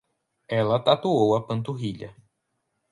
Ela tatuou a panturrilha